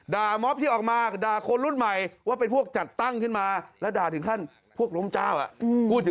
ม็อบที่ออกมาด่าคนรุ่นใหม่ว่าเป็นพวกจัดตั้งขึ้นมาแล้วด่าถึงขั้นพวกล้มเจ้า